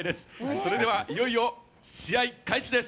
それではいよいよ試合開始です。